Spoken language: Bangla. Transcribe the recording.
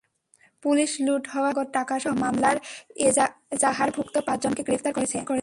পুলিশ লুট হওয়া কিছু নগদ টাকাসহ মামলার এজাহারভুক্ত পাঁচজনকে গ্রেপ্তার করেছে।